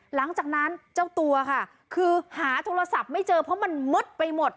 หลังจากนั้นเจ้าตัวค่ะคือหาโทรศัพท์ไม่เจอเพราะมันมืดไปหมด